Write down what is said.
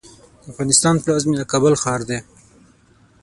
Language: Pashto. د افغانستان پلازمېنه کابل ښار دی.